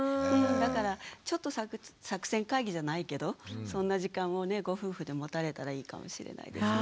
だからちょっと作戦会議じゃないけどそんな時間をご夫婦で持たれたらいいかもしれないですね。